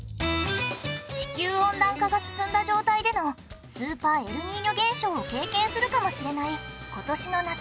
地球温暖化が進んだ状態でのスーパーエルニーニョ現象を経験するかもしれない今年の夏。